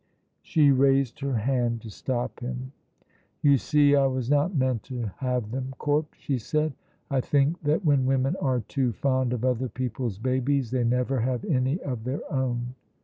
She raised her hand to stop him. "You see, I was not meant to have them, Corp," she said. "I think that when women are too fond of other people's babies they never have any of their own."